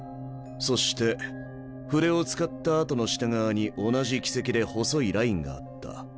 そして筆を使った跡の下側に同じ軌跡で細いラインがあった。